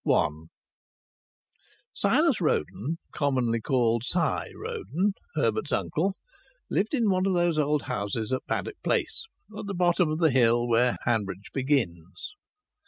I Silas Roden, commonly called Si Roden Herbert's uncle lived in one of those old houses at Paddock Place, at the bottom of the hill where Hanbridge begins.